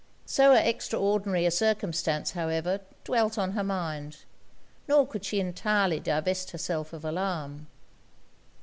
So extraordinary a circumstance, however, dwelt on her mind; nor could she entirely divest herself of alarm.